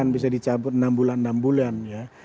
bisa dicabut enam bulan enam bulan ya